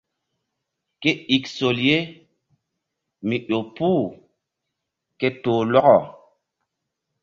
Ke ik sol ye mi ƴo puh ke toh lɔkɔ.